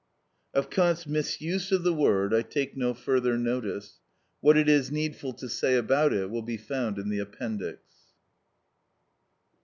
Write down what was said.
Of Kant's misuse of the word I take no further notice; what it is needful to say about it will be found in the Appendix.